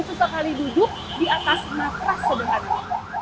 sesekali duduk di atas matras sederhana